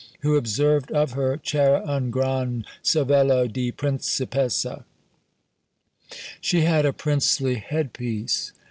who observed of her, Ch'era un gran cervello di Principessa! She had a princely head piece!